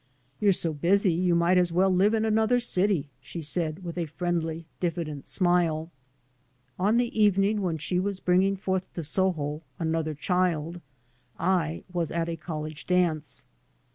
" You're so busy you might as well live in another city," she said with a friendly diffident smile. On the evening when she was bringing forth to'Soho another child I was at a college dance.